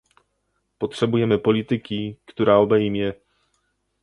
Potrzebujemy polityki, która obejmie